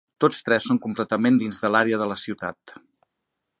Tots tres són completament dins de l'àrea de la ciutat.